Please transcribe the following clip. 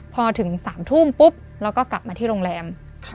พอถึง๓ทุ่มปุ๊บเราก็กลับมาที่โรงแรม